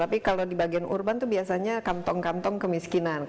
tapi kalau di bagian urban itu biasanya kantong kantong kemiskinan